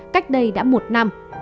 cách đây đã một năm